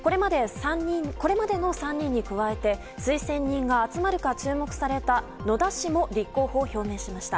これまでの３人に加えて推薦人が集まるか注目された野田氏も立候補を表明しました。